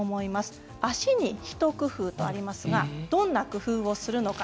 足に一工夫とありますがどんな工夫をするのか。